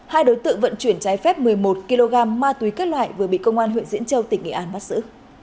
hai đối tượng vận chuyển trái phép một mươi một kg ma túy kết loại vừa bị công an huyện diễn châu tỉnh nghị an bắt xử